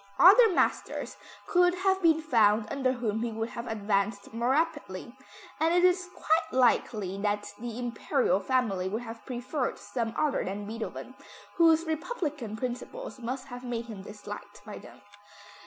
Other masters could have been found under whom he would have advanced more rapidly, and it is quite likely that the Imperial family would have preferred some other than Beethoven, whose republican principles must have made him disliked by them.